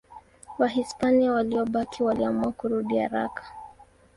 Wahispania waliobaki waliamua kurudi haraka.